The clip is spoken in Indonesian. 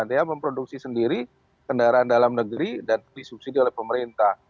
dia memproduksi sendiri kendaraan dalam negeri dan disubsidi oleh pemerintah